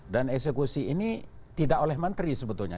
dan eksekusi ini tidak oleh menteri sebetulnya